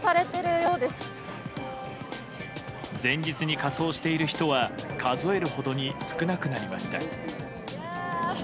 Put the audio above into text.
前日に仮装している人は数えるほどに少なくなりました。